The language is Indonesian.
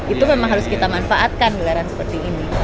itu memang harus kita manfaatkan gelaran seperti ini